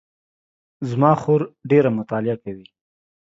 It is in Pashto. زما خور ډېره مطالعه کوي